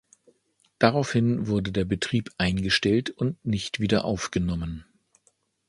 Daraufhin wurde der Betrieb eingestellt und nicht wieder aufgenommen.